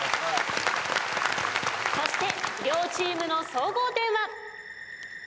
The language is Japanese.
そして両チームの総合点は。